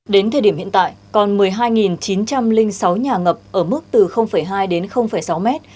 đến thời điểm hiện tại còn một mươi hai chín trăm linh sáu nhà ngập ở mức từ hai đến sáu mét